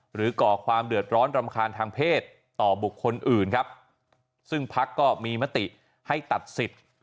ก่อความเดือดร้อนรำคาญทางเพศต่อบุคคลอื่นครับซึ่งพักก็มีมติให้ตัดสิทธิ์